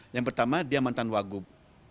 yang pertama dia mantan wagub